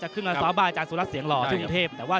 ก็เป็นฝีมิดา